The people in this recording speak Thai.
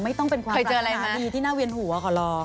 ไม่ต้องเป็นความปราณาดีที่น่าเวียนหัวขอลอง